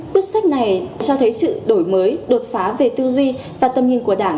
quyết sách này cho thấy sự đổi mới đột phá về tư duy và tầm nhìn của đảng